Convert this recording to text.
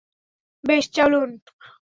বেশ, চলুন!